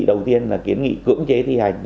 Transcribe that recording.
đầu tiên là kiến nghị cưỡng chế thi hành